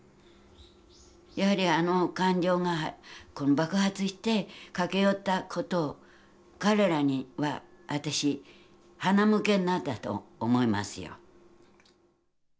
やはりあの感情が爆発して駆け寄ったことを彼らには私はなむけになったと思いますよ。